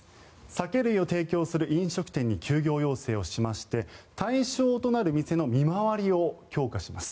酒類を提供する飲食店に休業要請をしまして対象となる店の見回りを強化します。